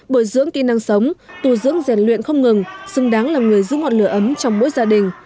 bồi dưỡng kỹ năng sống tù dưỡng rèn luyện không ngừng xứng đáng làm người giúp ngọt lửa ấm trong mỗi gia đình